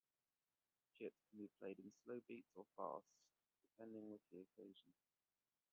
Jit can be played in slow beats or fast depending with the occasion.